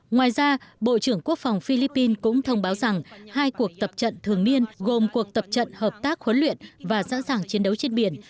ngoài ra bộ trưởng quốc phòng philippines cũng thông báo rằng hai cuộc tập trận thường niên gồm cuộc tập trận hợp tác huấn luyện và sẵn sàng chiến đấu trên biển